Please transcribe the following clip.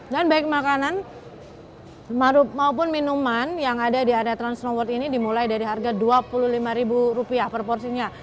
dan baik makanan maupun minuman yang ada di area transnoworld ini dimulai dari harga rp dua puluh lima per porsinya